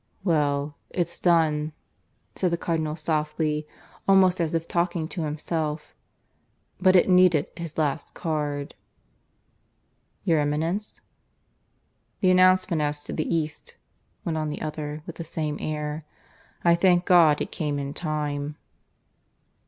"Well, it's done," said the Cardinal softly, almost as if talking to himself. "But it needed his last card." "Your Eminence?" "The announcement as to the East," went on the other, with the same air. "I thank God it came in time."